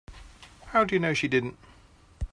How do you know she didn't?